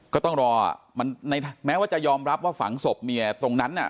ก็ต้องรอมันแม้ว่าจะยอมรับว่าฝังศพเมียตรงนั้น